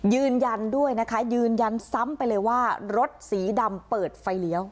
ยืนยันด้วยนะคะยืนยันซ้ำไปเลยว่ารถสีดำเปิดไฟเลี้ยว